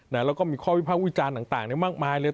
แล้วก็มีข้อวิพักษ์อุจจานต่างมากมายเลย